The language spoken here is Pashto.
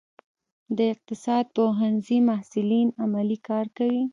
د اقتصاد پوهنځي محصلین عملي کار کوي؟